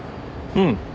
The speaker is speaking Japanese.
うん。